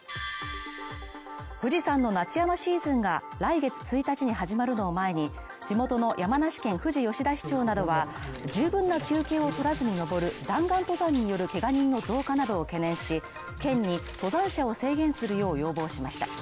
富士山の夏山シーズンが来月１日に始まるのを前に地元の山梨県富士吉田市長などは十分な休憩を取らずに上る弾丸登山によるけが人の増加などを懸念し、県に登山者を制限するよう要望しました。